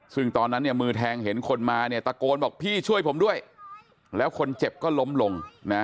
ซึ่งตอนนั้นเนี่ยมือแทงเห็นคนมาเนี่ยตะโกนบอกพี่ช่วยผมด้วยแล้วคนเจ็บก็ล้มลงนะ